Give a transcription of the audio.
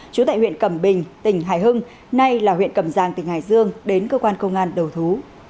trú tại huyện cẩm bình tỉnh hải hưng nay là huyện cầm giang tỉnh hải dương đến cơ quan công an đầu thú